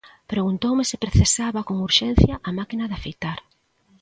Preguntoume se precisaba con urxencia a máquina de afeitar.